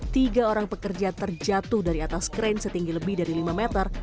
tiga orang pekerja terjatuh dari atas krain setinggi lebih dari lima meter